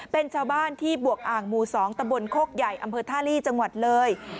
เป็นชาวบ้านที่บวกอ่างหมู่๒ตะบนโคกใหญ่อำเภอท่าลีจังหวัดเลย